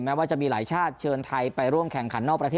ว่าจะมีหลายชาติเชิญไทยไปร่วมแข่งขันนอกประเทศ